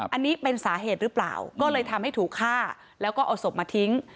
อันนี้เป็นสาเหตุหรือเปล่าก็เลยทำให้ถูกฆ่าแล้วก็เอาศพมาทิ้ง